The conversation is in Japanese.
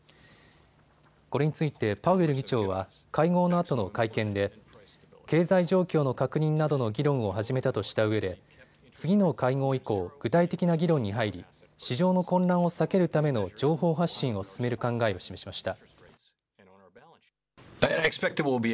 これについてパウエル議長は会合のあとの会見で経済状況の確認などの議論を始めたとしたうえで次の会合以降、具体的な議論に入り市場の混乱を避けるための情報発信を進める考えを示しました。